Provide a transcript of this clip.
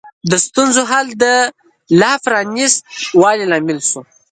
د ستونزو حل د لا پرانیست والي لامل شو.